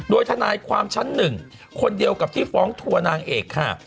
โดยทนายความชั้นหนึ่งคนเดียวกับที่ฟ้องทัวร์นางเอกค่ะ